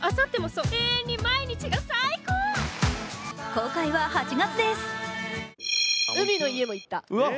公開は８月です。